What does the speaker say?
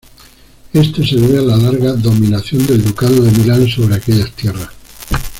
Esto se debe a la larga dominación del Ducado de Milán sobre aquellas tierras.